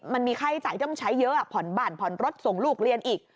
มันมีค่าใช้จ่ายต้องใช้เยอะผ่อนบ่านผ่อนรถส่งลูกเรียนอีก